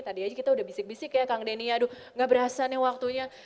tadi aja kita udah bisik bisik ya kang denny aduh gak berasa nih waktunya